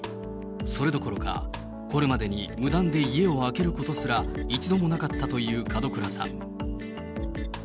それどころか、これまでに無断で家を空けることすら一度もなかったという門倉さん。